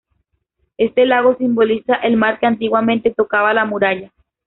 Este lago simboliza el mar que antiguamente tocaba la muralla.